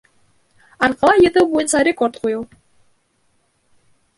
Арҡала йөҙөү буйынса рекорд ҡуйыу